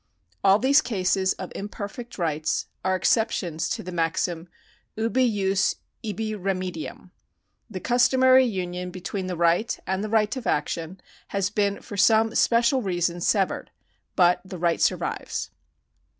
All these cases of imperfect rights are exceptions to the maxim, Ubijus ibi remedium. The customary union between the right and the right of action has been for some special reason severed, but the right survives.